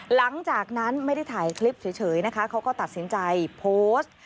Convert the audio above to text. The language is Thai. หลังจากนั้นไม่ได้ถ่ายคลิปเฉยนะคะเขาก็ตัดสินใจโพสต์